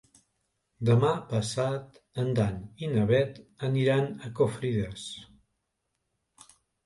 Demà passat en Dan i na Bet aniran a Confrides.